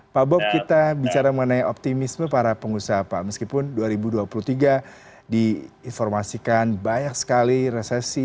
pak bob kita bicara mengenai optimisme para pengusaha pak meskipun dua ribu dua puluh tiga diinformasikan banyak sekali resesi